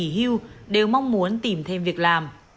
mọi người cũng mong muốn tìm thêm việc làm